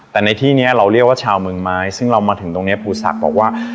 แต่ในที่นี้เราเรียกว่าชาวเมืองไม้ซึ่งเรามาถึงตรงนี้ภูศักดิ์บอกว่า